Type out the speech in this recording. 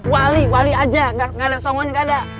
wali wali aja nggak ada songonya nggak ada